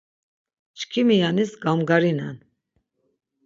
Çkimi yanis gamgarinen.